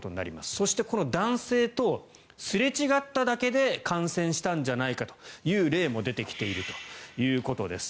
そしてこの男性とすれ違っただけで感染したんじゃないかという例も出てきているということです。